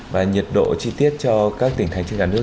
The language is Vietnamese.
và nhiệt độ chi tiết cho các tỉnh thành phố nhà nước